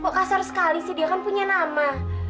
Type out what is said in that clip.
kok kasar sekali sih dia kan punya nama